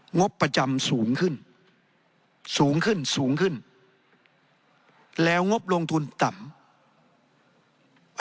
งบประจำสูงขึ้นสูงขึ้นสูงขึ้นแล้วงบลงทุนต่ำ